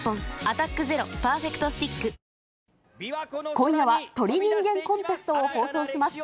今夜は鳥人間コンテストを放送します。